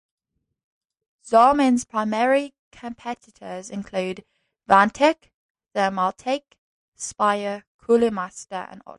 Zalman's primary competitors include Vantec, Thermaltake, Spire, Cooler Master and Arctic.